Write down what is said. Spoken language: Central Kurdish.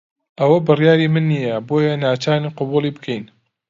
ئەوە بڕیاری من نییە، بۆیە ناچارین قبوڵی بکەین.